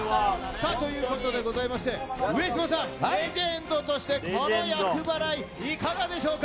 さあ、ということでございまして、上島さん、レジェンドとして、この厄払い、いかがでしょうか。